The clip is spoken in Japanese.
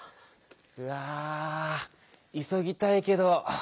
うわぁいそぎたいけどかなぁ。